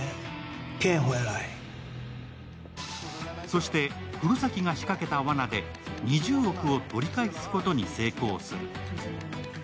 そして、黒崎が仕掛けたわなで２０億を取り返すことに成功する。